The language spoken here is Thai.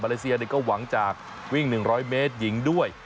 เลเซียก็หวังจากวิ่ง๑๐๐เมตรหญิงด้วย